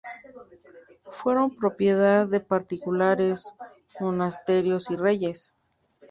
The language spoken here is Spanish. Fueron propiedad de particulares, monasterios y reyes.